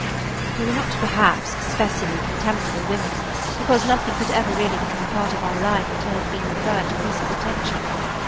We were not, perhaps, specially contemptible women, because nothing could ever really become a part of our life until it had been referred to Chris's attention.